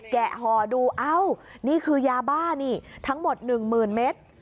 แกะห่อดูอ้าวนี่คือยาบ้านี่ทั้งหมดหนึ่งหมื่นเมตร